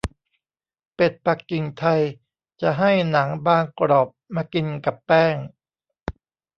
เป็ดปักกิ่งไทยจะให้หนังบางกรอบมากินกับแป้ง